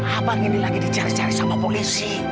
abang ini lagi dicari cari sama polisi